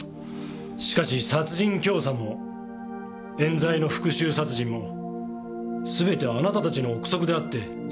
しかし殺人教唆も冤罪の復讐殺人もすべてあなたたちの憶測であって証拠がない。